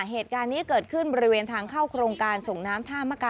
เหตุการณ์นี้เกิดขึ้นบริเวณทางเข้าโครงการส่งน้ำท่ามกา